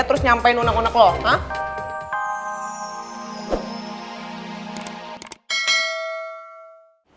terus nyampein unek unek lo ha